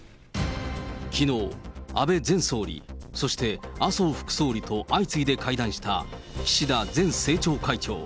きのう、安倍前総理、そして麻生副総理と相次いで会談した岸田前政調会長。